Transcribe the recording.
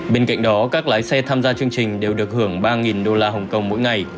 bên cạnh đó các lái xe tham gia chương trình đều được hưởng ba đô la hồng kông mỗi ngày